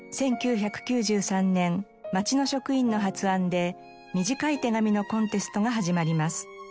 １９９３年町の職員の発案で短い手紙のコンテストが始まります。